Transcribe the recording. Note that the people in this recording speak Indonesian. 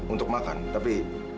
untuk makan tapi